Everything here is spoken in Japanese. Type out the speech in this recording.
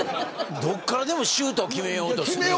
どこからでもシュート決めようとする。